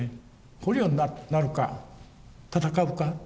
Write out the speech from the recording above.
捕虜になるか戦うか。